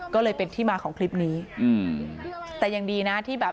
ก็เลยเป็นที่มาของคลิปนี้อืมแต่ยังดีนะที่แบบ